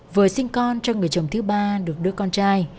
vừa sinh con cho người chồng thứ ba được đưa con trai